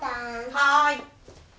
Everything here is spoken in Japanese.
はい。